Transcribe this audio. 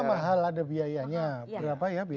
amerika mahal ada biayanya berapa ya biaya